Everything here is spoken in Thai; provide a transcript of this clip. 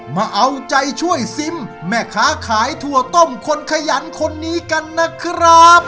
มาเอาใจช่วยซิมแม่ค้าขายถั่วต้มคนขยันคนนี้กันนะครับ